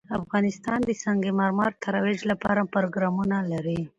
افغانستان د سنگ مرمر د ترویج لپاره پروګرامونه لري.